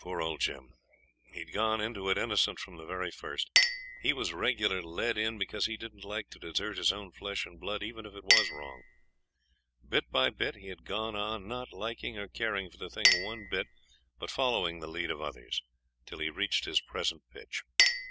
Poor old Jim. He had gone into it innocent from the very first. He was regular led in because he didn't like to desert his own flesh and blood, even if it was wrong. Bit by bit he had gone on, not liking or caring for the thing one bit, but following the lead of others, till he reached his present pitch.